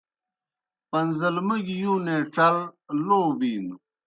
پَن٘زلمَوْگیْ یُونے ڇل لو بِینوْ۔